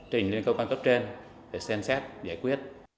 trình lên cơ quan cấp trên để xem xét giải quyết